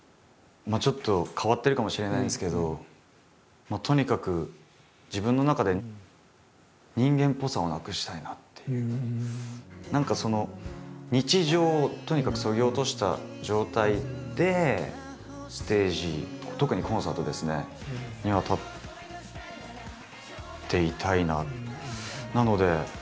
まあちょっと変わってるかもしれないんですけどもうとにかく自分の中で何か日常をとにかくそぎ落とした状態でステージ特にコンサートですねには立っていたいなと。